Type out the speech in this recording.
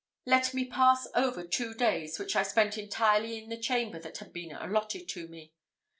Let me pass over two days which I spent entirely in the chamber that had been allotted to me.